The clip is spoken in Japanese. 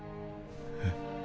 えっ？